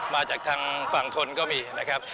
มาจากทางฝั่งทนก็มีนะครับ